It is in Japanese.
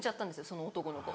その男の子。